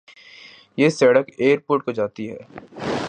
یہ سڑک airport کو جاتی ہے